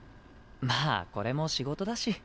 まあこれも仕事だし。